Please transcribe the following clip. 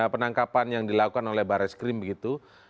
penangkapan yang dilakukan oleh barreskrim begitu